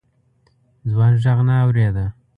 ځوان غږ نه اورېده.